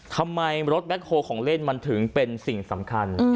ทำไมรถแคคโฮของเล่นมันถึงเป็นสิ่งสำคัญ